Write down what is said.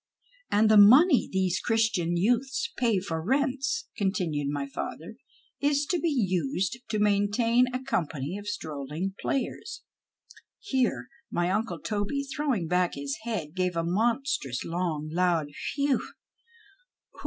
" And the money these Christian youths pay for rents," continued my father, " is to be used to main tain a company of strolling players " [Here my uncle Toby, throwing back his head, gave a mons trous, long, loud whew w w.